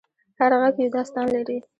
هر غږ یو داستان لري.